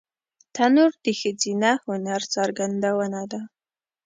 تنور د ښځینه هنر څرګندونه ده